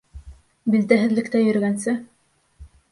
Билдәһеҙлектә йөрөгәнсе.